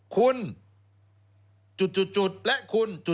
คุณและคุณ